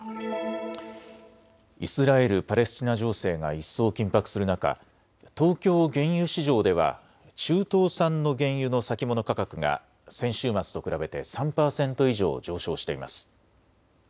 イスラエル・パレスチナ情勢が一層緊迫する中、東京原油市場では中東産の原油の先物価格が先週末と比べて３％以上上昇しています。